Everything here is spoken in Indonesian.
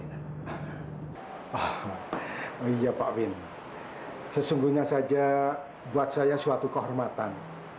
iya pak bin sesungguhnya saja buat saya suatu kehormatan